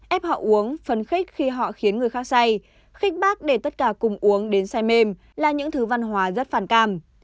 ép họ uống phấn khích khi họ khiến người khác say khích bác để tất cả cùng uống đến say mê là những thứ văn hóa rất phản cảm